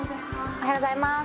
おはようございます